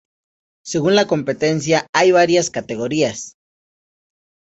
Según la competencia, hay varias categorías.